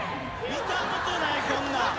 見たことないこんな。